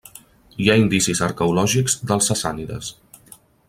Hi ha indicis arqueològics dels sassànides.